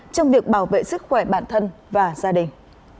trong việc bảo vệ sức khỏe bản thân và gia đình